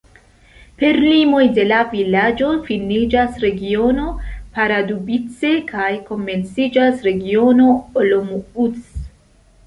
Per limoj de la vilaĝo finiĝas Regiono Pardubice kaj komenciĝas Regiono Olomouc.